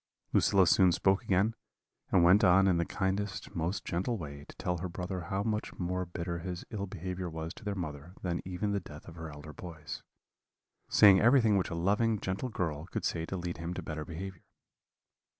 "Lucilla soon spoke again, and went on in the kindest, most gentle way, to tell her brother how much more bitter his ill behaviour was to their mother than even the death of her elder boys; saying everything which a loving, gentle girl could say to lead him to better behaviour.